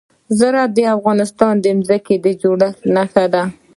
زراعت د افغانستان د ځمکې د جوړښت نښه ده.